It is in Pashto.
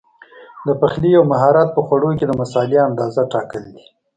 د پخلي یو مهارت په خوړو کې د مسالې اندازه ټاکل دي.